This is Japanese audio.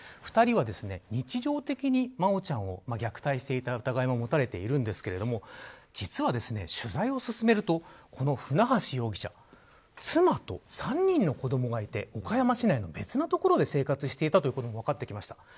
２人は日常的に真愛ちゃんを虐待していた疑いも持たれているんですが実は取材を進めるとこの船橋容疑者妻と３人の子どもがいて岡山市内の別の所で生活していたということも分かってきました。